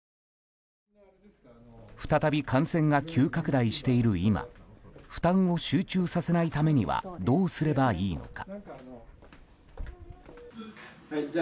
再び感染が急拡大している今負担を集中させないためにはどうすればいいのか。